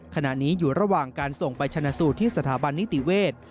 ขณะนี้อยู่ระหว่างการส่งไปชนะสูตรที่สถาบันนิติเวศ